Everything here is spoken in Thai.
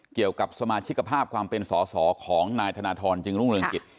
เกี่ยวกับสมาชิกภาพความเป็นสอสอของนายธนทรจึงรุ่งเรืองกิจ